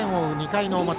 ２回の表。